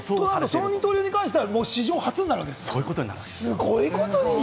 その二刀流に関しては史上初になるわけですか？